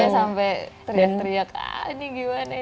sampai teriak teriak ah ini gimana